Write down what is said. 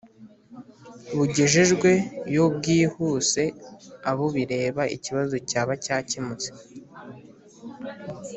Bugejejwe yo bwihuse abo bireba ikibazo cyaba cyakemutse